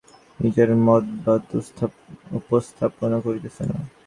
আমি এখনই এ-বিষয়ে আমার নিজের মতবাদ উপস্থাপন করিতেছি না।